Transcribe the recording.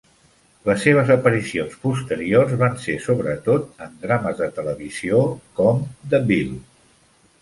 Les seves aparicions posteriors van ser sobretot en drames de televisió com "The Bill".